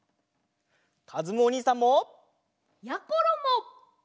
かずむおにいさんも！やころも！